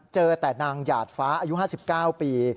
เจอแต่นางหยาดฟ้าอายุ๕๙ปี